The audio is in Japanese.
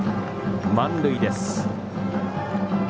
満塁です。